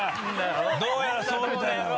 どうやらそうみたいだぞ。